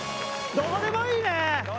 どこでもいいよ！